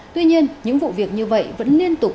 tuy nhiên những vụ việc như vậy vẫn liên tục